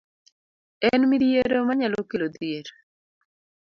En midhiero manyalo kelo dhier.